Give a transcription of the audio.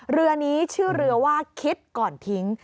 เรือนี้ชื่อเรือว่าคิดก่อนทิ้ง